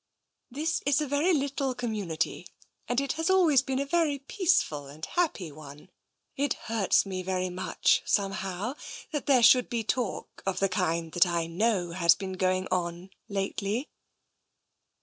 This is a very little community and has always been a very peaceful and happy one. It hurts me very much, somehow, that there should be talk of the kind that I know has been going on lately."